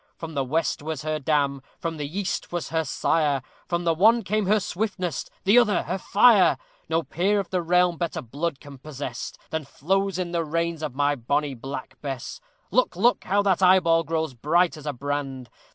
From the west was her dam, from the east was her sire, From the one came her swiftness, the other her fire; No peer of the realm better blood can possess Than flows in the veins of my bonny Black Bess. Look! Look! how that eyeball grows bright as a brand!